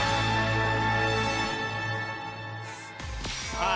さあ